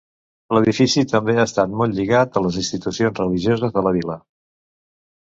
L’edifici també ha estat molt lligat a les institucions religioses de la vila.